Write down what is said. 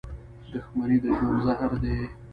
• دښمني د ژوند زهر دي.